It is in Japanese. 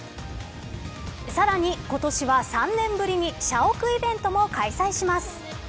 さらに今年は３年ぶりに社屋イベントも開催します。